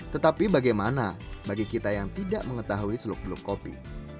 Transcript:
tetapi bagaimana bagi kita yang tidak mengetahui seluk beluk kopi